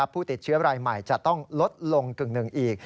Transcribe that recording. ผู้ติดเชื้อรายใหม่จะต้องลดลงกึ่งหนึ่งอีก